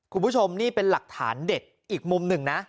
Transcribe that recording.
คุณผู้ชมนี่เป็นหลักฐานเด็ดอีกมุมหนึ่งนะ